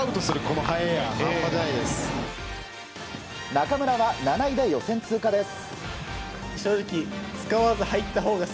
中村は７位で予選通過です。